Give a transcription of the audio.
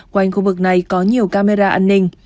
quanh khu vực này có nhiều camera an ninh